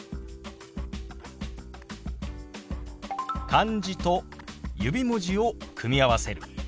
漢字と指文字を組み合わせる。